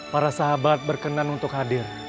para sahabat berkenan untuk hadir